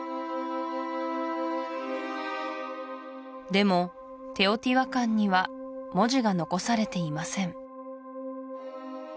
でもテオティワカンには文字が残されていません